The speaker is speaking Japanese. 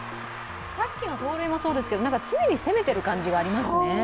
さっきの盗塁もそうですけど、常に攻めてる感じがありますね。